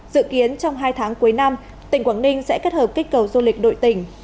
dự kiến trong hai tháng cuối năm tỉnh quảng ninh sẽ kết hợp kích cầu du lịch đội tỉnh